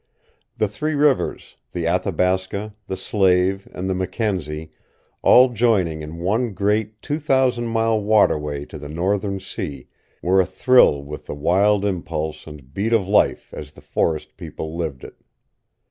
The Three Rivers the Athabasca, the Slave, and the Mackenzie, all joining in one great two thousand mile waterway to the northern sea were athrill with the wild impulse and beat of life as the forest people lived it.